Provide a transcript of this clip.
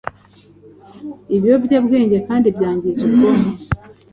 Ibiyobyabwenge kandi byangiza ubwonko